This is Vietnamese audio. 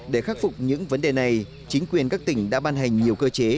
để khắc phục những vấn đề này chính quyền các tỉnh đã ban hành nhiều cơ chế